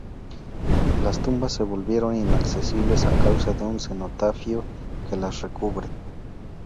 Las tumbas se volvieron inaccesibles a causa de un cenotafio que las recubre.